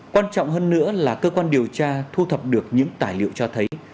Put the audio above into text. quan trọng hơn nữa là cơ quan điều tra thu thập được những tài liệu cho thấy